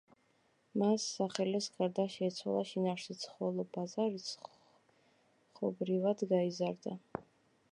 მას სახელის გარდა შეეცვალა შინაარსიც, ხოლო ბაზა რიცხობრივად გაიზარდა.